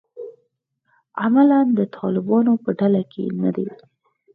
عملاً د طالبانو په ډله کې نه دي.